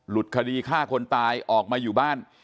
คดีฆ่าคนตายออกมาอยู่บ้าน